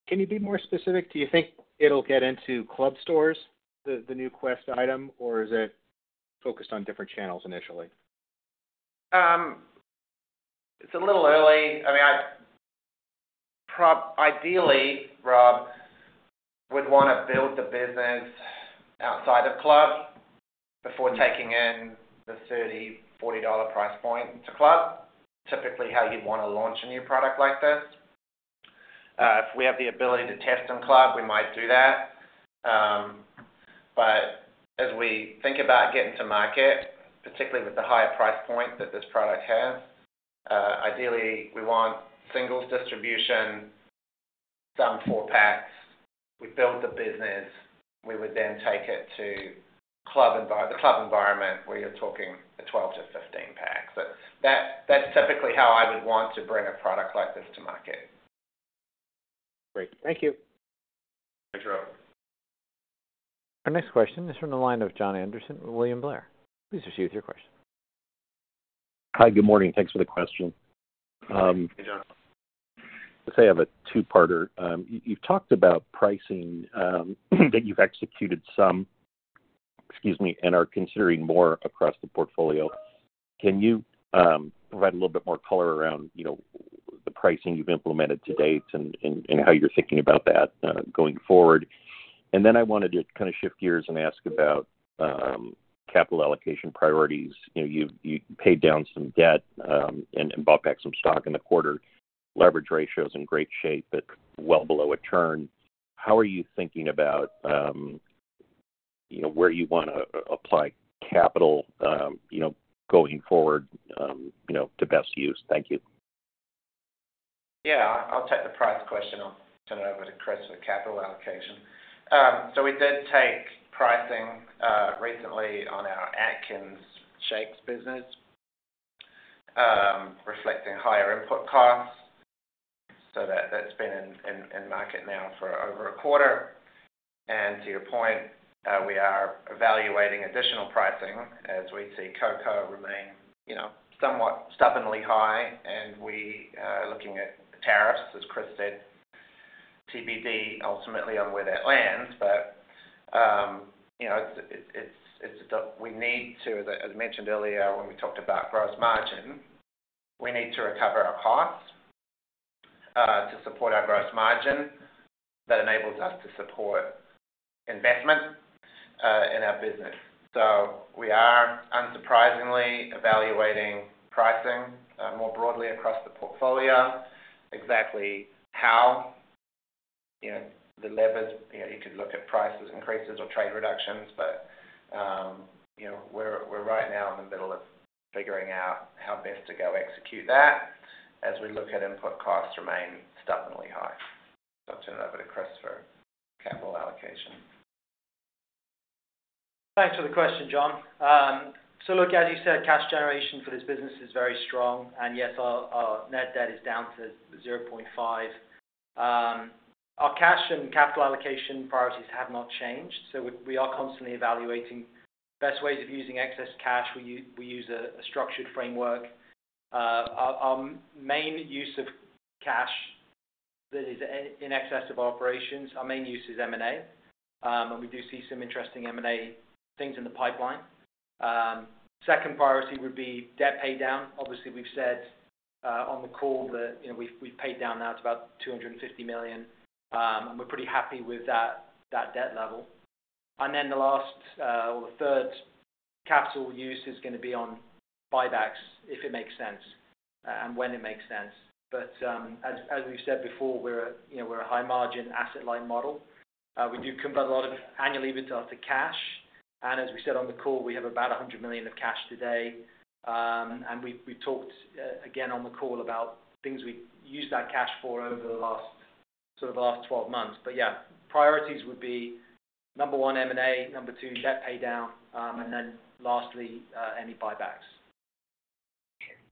Can you be more specific? Do you think it'll get into club stores, the new Quest item? Or is it focused on different channels initially? It's a little early. Ideally, Rob, we'd want to build the business outside of club before taking in the $30.40 dollars price point to club, typically how you'd want to launch a new product like this. If we have the ability to test on club, we might do that. But as we think about getting to market, particularly with the higher price point that this product has, ideally, we want singles distribution, some four packs. We build the business. We would then take it to the club environment where you're talking a 12 to 15 pack. That's typically how I would want to bring a product like this to market. Great, thank you. Thanks, Rob. Our next question is from the line of Jon Andersen with William Blair. Please proceed with your question. Hi, good morning. Thanks for the question. Hey, Jon. I have a two parter. You've talked about pricing that you've executed some, excuse me, and are considering more across the portfolio. Can you provide a little bit more color around the pricing you've implemented to date and how you're thinking about that going forward? And then I wanted to kind of shift gears and ask about capital allocation priorities. You paid down some debt and bought back some stock in the quarter. Leverage ratio is in great shape, but well below a turn. How are you thinking about where you want to apply capital going forward to best use? Thank you. Yes. I'll take the price question. Turn it over to Chris for capital allocation. So we did take pricing recently on our Atkins shakes business, reflecting higher input costs. So that's been in market now for over a quarter. And to your point, we are evaluating additional pricing as we see cocoa remain somewhat stubbornly high, and we are looking at tariffs, as Chris said, TBD ultimately on where that lands. But it's we need to as mentioned earlier when we talked about gross margin, we need to recover our costs to support our gross margin. That enables us to support investment in our business. So we are, unsurprisingly, evaluating pricing more broadly across the portfolio, exactly how the levers you could look at prices increases or trade reductions, but we're right now in the middle of figuring out how best to go execute that as we look at input costs remain stubbornly high. I'll turn it over to Chris for capital allocation. Thanks for the question, John. So look, as you said, cash generation for this business is very strong and yes, our net debt is down to 0.5. Our cash and capital allocation priorities have not changed. So we are constantly evaluating best ways of using excess cash. Use a structured framework. Main use of cash that is in excess of operations, our main use is M and A. And we do see some interesting M and A things in the pipeline. Second priority would be debt pay down. Obviously, we've said on the call that we've paid down now, it's about two fifty million dollars and we're pretty happy with that debt level. And then the last or third capital use is going to be on buybacks if it makes sense and when it makes sense. But as we've said before, we're a high margin asset light model. We do convert a lot of annual EBITDA to cash. And as we said on the call, we have about $100,000,000 of cash today. And we talked again on the call about things we used that cash for over the last twelve months. But yes, priorities would be number one, M and A number two, debt pay down and then lastly, any buybacks.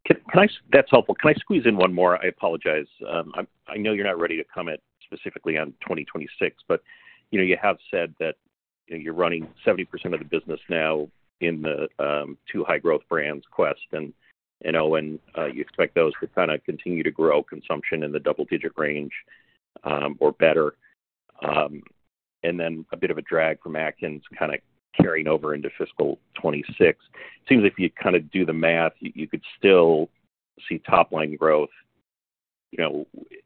Can I that's helpful? Can I squeeze in one more? I apologize. I know you're not ready to comment specifically on 2026, but you have said that you're running 70% of the business now in the two high growth brands Quest and Owen, you expect those to kind of continue to grow consumption in the double digit range or better. And then a bit of a drag from Atkins kind of carrying over into fiscal twenty twenty six. It seems if you kind of do the math, you could still see top line growth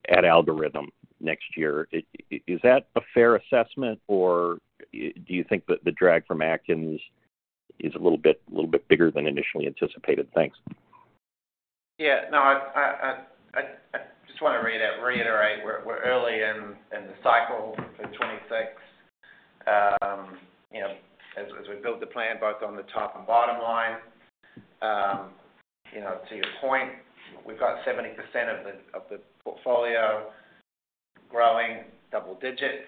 at Algorithm next year. Is that a fair assessment? Or do you think that the drag from Atkins is a little bit bigger than initially anticipated? Yes. No, I just want to reiterate, we're early in the cycle for 2026 as we build the plan both on the top and bottom line. To your point, we've got 70% of the portfolio growing double digit,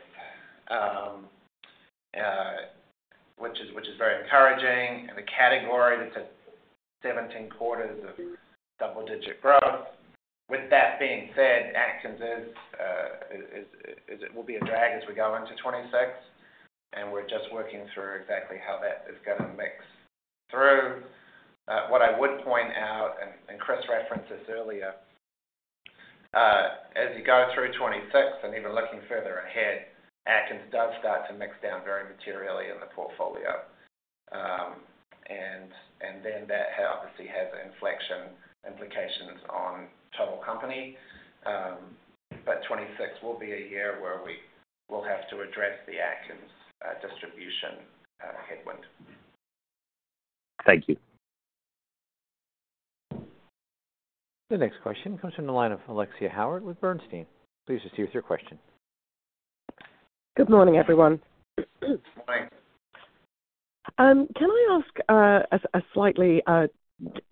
which is very encouraging. And the category that's at 17 quarters of double digit growth. With that being said, Atkins will be a drag as we go into 'twenty six, and we're just working through exactly how that is going to mix through. What I would point out, and Chris referenced this earlier, as you go through 'twenty six and even looking further ahead, Atkins does start to mix down very materially in the portfolio. And then that obviously has inflection implications on total company, but 'twenty six will be a year where we will have to address the Atkins distribution headwind. Thank you. The next question comes from the line of Alexia Howard with Bernstein. Please proceed with your question. Good morning, everyone. Good morning. Can I ask slightly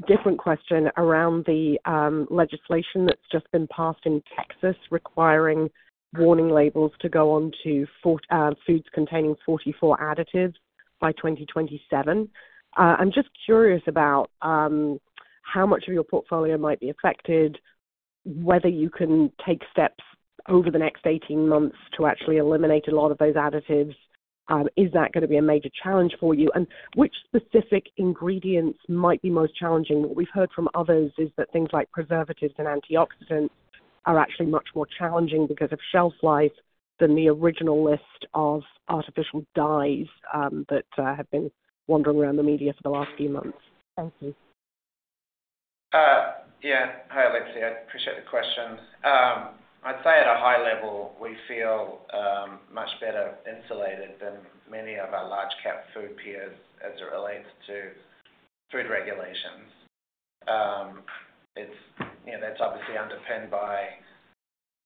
different question around the legislation that's just been passed in Texas requiring warning labels to go on to foods containing 44 additives by 2027? I'm just curious about how much of your portfolio might be affected, whether you can take steps over the next eighteen months to actually eliminate a lot of those additives. Is that gonna be a major challenge for you and which specific ingredients might be most challenging? What we've heard from others is that things like preservatives and antioxidants are actually much more challenging because of shelf life than the original list of artificial dyes that have been wandering around the media for the last few months? Thank you. Hi, Alexia. I appreciate the questions. I'd say at a high level, we feel much better insulated than many of our large cap food peers as it relates to food regulations. That's obviously underpinned by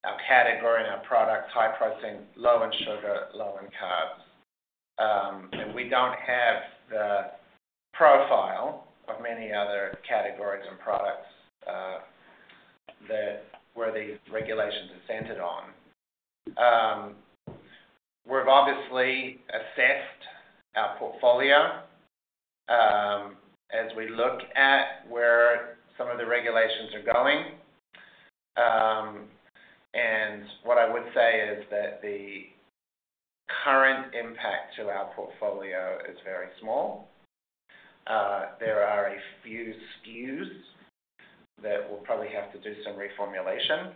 our category and our products, high protein, low in sugar, low in carbs. And we don't have the profile of many other categories and products where these regulations are centered on. We've obviously assessed our portfolio as we look at where some of the regulations are going. And what I would say is that the current impact to our portfolio is very small. There are a few SKUs that we'll probably have to do some reformulation,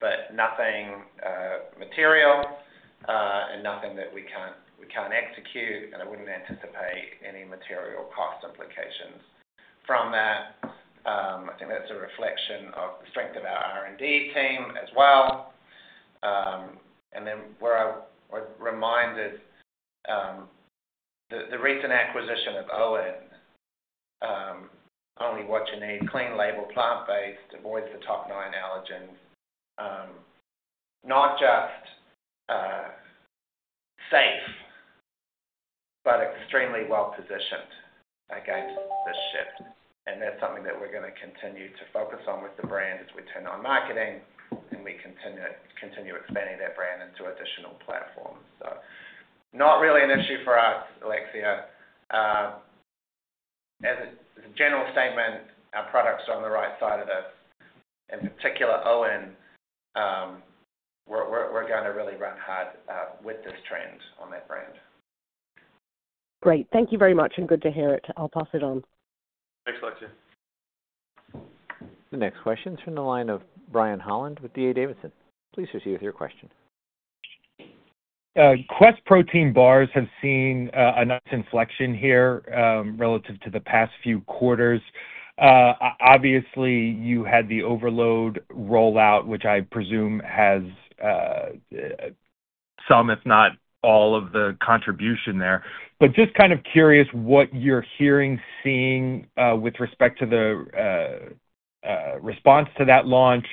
but nothing material and nothing that we can't execute, and I wouldn't anticipate any material cost implications from that. I think that's a reflection of the strength of our R and D team as well. And then what I would remind is the recent acquisition of Owen, only what you need, clean label, plant based, avoids the top nine allergens, not just safe, but extremely well positioned against this shift. And that's something that we're going to continue to focus on with the brand as we turn on marketing and we continue expanding that brand into additional platforms. Not really an issue for us, Alexia. A general statement, our products are on the right side of this, in particular, Owen. We're going to really run hard with this trend on that brand. Great. Thank you very much, and good to hear it. I'll pass it on. Thanks, Alexia. The next question is from the line of Brian Holland with D. A. Davidson. Please proceed with your question. Quest protein bars have seen a nice inflection here relative to the past few quarters. Obviously, you had the overload rollout, which I presume has some, if not all of the contribution there. But just kind of curious what you're hearing, seeing with respect to the response to that launch?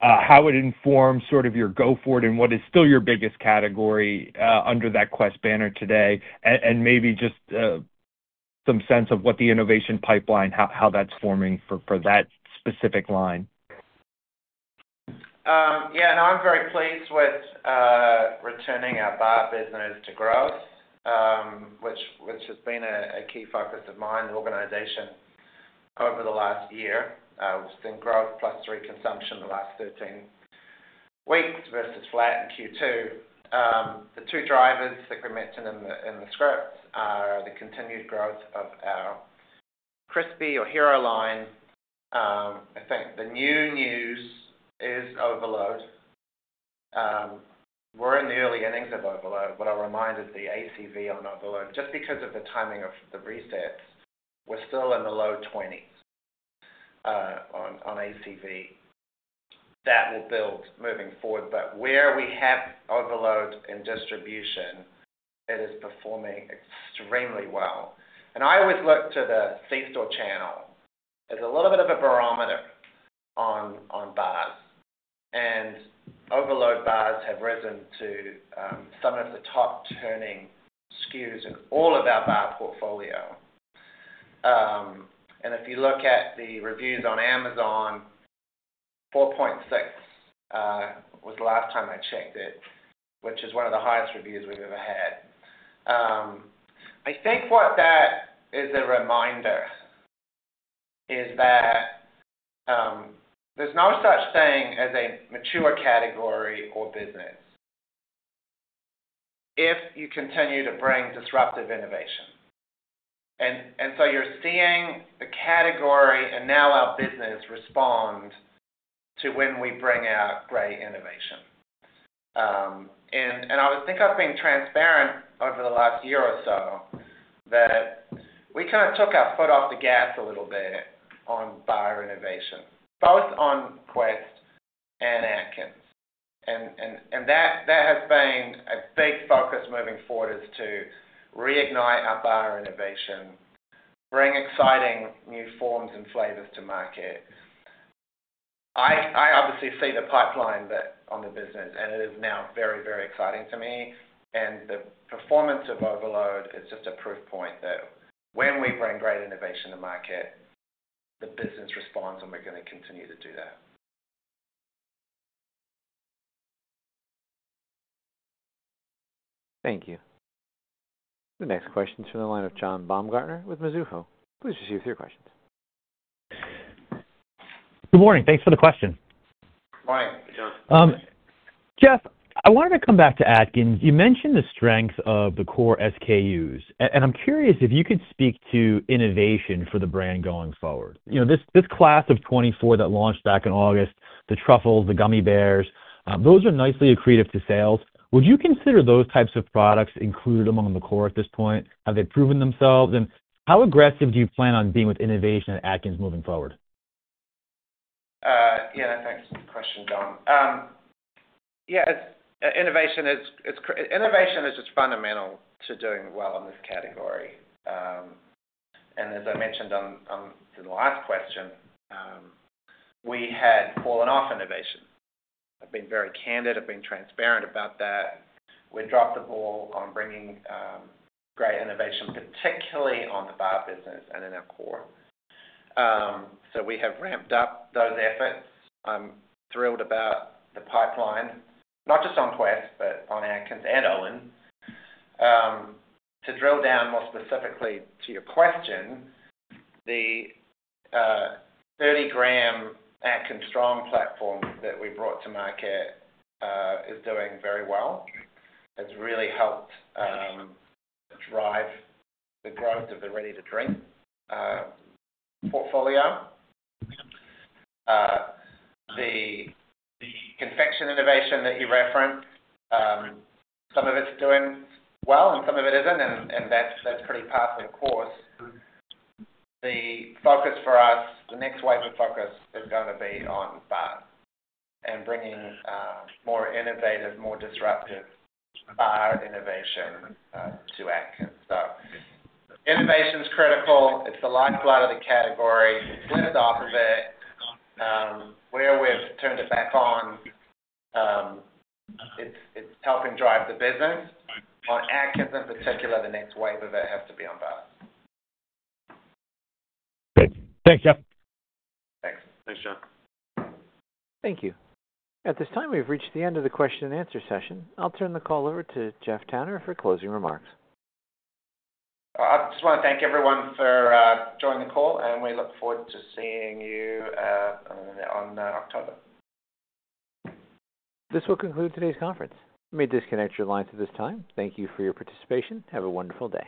How it informs sort of your go forward and what is still your biggest category under that Quest banner today? And maybe just some sense of what the innovation pipeline, how that's forming for that specific line? Yes. No, I'm very pleased with returning our bar business to growth, which has been a key focus of mine organization over the last year. We've seen growth plus three consumption in the last thirteen weeks versus flat in Q2. The two drivers that we mentioned in the script are the continued growth of our Crispy or Hero line. I think the new news is overload. We're in the early innings of overload, but I'll remind of the ACV on overload, just because of the timing of the resets, we're still in the low 20s on ACV. That will build moving forward. But where we have overload in distribution, it is performing extremely well. And I always look to the C store channel as a little bit of a barometer on bars, and overload bars have risen to some of the top turning SKUs in all of our bar portfolio. If you look at the reviews on Amazon, 4.6 was the last time I checked it, which is one of the highest reviews we've ever had. I think what that is a reminder is that there's no such thing as a mature category or business if you continue to bring disruptive innovation. And so you're seeing the category and now our business respond to when we bring out great innovation. And I think I've been transparent over the last year or so that we kind of took our foot off the gas a little bit on bar renovation, both on Quest and Atkins. And that has been a big focus moving forward is to reignite our bar innovation, bring exciting new forms and flavors to market. I obviously see the pipeline on the business, and it is now very, very exciting to me. And the performance of overload is just a proof point that when we bring great innovation to market, the business responds, and we're going to continue to do that. Thank you. The next question is from the line of Jon Baumgartner with Mizuho. Please proceed with your question. Good morning. Thanks for the question. Good morning. Jeff, I wanted to come back to Atkins. You mentioned the strength of the core SKUs. And I'm curious if you could speak to innovation for the brand going forward. This class of 24 that launched back in August, the truffles, the gummy bears, those are nicely accretive to sales. Would you consider those types of products included among the core at this point? Have they proven themselves? And how aggressive do you plan on being with innovation at Atkins moving forward? Thanks for the question, Don. Innovation is just fundamental to doing well in this category. And as I mentioned on the last question, we had fallen off innovation. I've been very candid, I've been transparent about that. We dropped the ball on bringing great innovation, particularly on the bar business and in our core. So we have ramped up those efforts. I'm thrilled about the pipeline, not just on Quest, but on Atkins and Owen. To drill down more specifically to your question, the 30 gram Atkins Strong platform that we brought to market is doing very well. It's really helped drive the growth of the ready to drink portfolio. The confection innovation that you referenced, some of it's doing well and some of it isn't, that's pretty passing the course. The focus for us, the next wave of focus is going to be on fun and bringing more innovative, more disruptive innovation to act. So innovation is critical. It's the lifeblood of the category. Been at the office. Where we've turned it back on, it's helping drive the business. On Atkins in particular, the next wave of it has to be on bars. Thanks, Jeff. Thanks. Thanks, John. Thank you. At this time, we've reached the end of the question and answer session. I'll turn the call over to Jeff Tanner for closing remarks. I just want to thank everyone for joining the call, and we look forward to seeing you on October. This will conclude today's conference. You may disconnect your lines at this time. Thank you for your participation. Have a wonderful day.